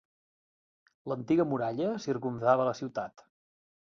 L'antiga muralla circumdava la ciutat.